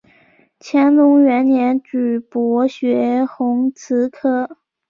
乾隆元年举博学鸿词科。